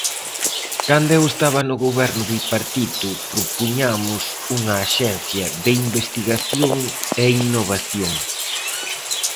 Cando eu estaba no Goberno bipartito, propuñamos unha Axencia de Investigación e Innovación.